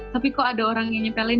tapi kok ada orang yang nyepelin